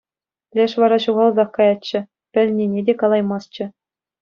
Леш вара ҫухалсах каятчӗ, пӗлнине те калаймастчӗ.